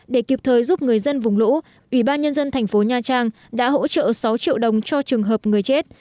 để kịp thời giúp người dân vùng lũ ủy ban nhân dân thành phố nha trang đã hỗ trợ sáu triệu đồng cho trường hợp người chết